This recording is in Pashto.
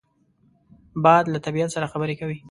باد له طبیعت سره خبرې کوي